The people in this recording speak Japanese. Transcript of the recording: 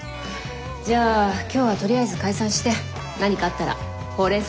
じゃあ今日はとりあえず解散して何かあったらホウレンソウしようか。